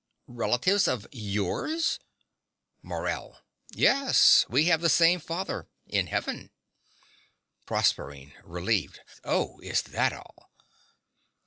Relatives of YOURS! MORELL. Yes: we have the same father in Heaven. PROSERPINE (relieved). Oh, is that all?